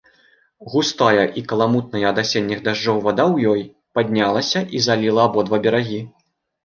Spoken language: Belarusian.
Густая і каламутная ад асенніх дажджоў вада ў ёй паднялася і заліла абодва берагі.